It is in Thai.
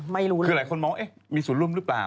ไม่รู้เลยคือหลายคนมองมีส่วนร่วมหรือเปล่า